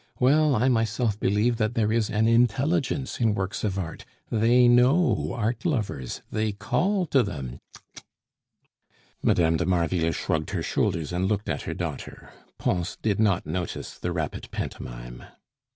Well, I myself believe that there is an intelligence in works of art; they know art lovers, they call to them 'Cht tt!'" Mme. de Marville shrugged her shoulders and looked at her daughter; Pons did not notice the rapid pantomime.